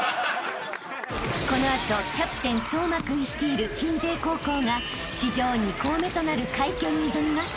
［この後キャプテン颯真君率いる鎮西高校が史上２校目となる快挙に挑みます］